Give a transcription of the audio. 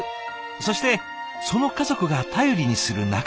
そしてその家族が頼りにする仲間もいる。